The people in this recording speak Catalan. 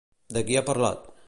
De qui ha parlat?